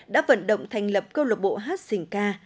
đã vận động thành lập câu lạc bộ hát sỉnh ca